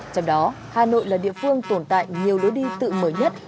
trong đó hà nội là địa phương tồn tại nhiều lối đi tự mở nhất